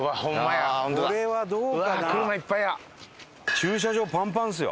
駐車場パンパンですよ。